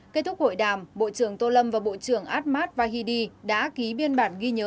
kết thúc hội đàm bộ trưởng tô lâm và bộ trưởng ahmad vahidi đã ký biên bản ghi nhớ